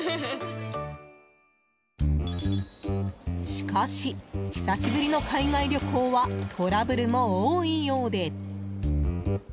しかし、久しぶりの海外旅行はトラブルも多いようで。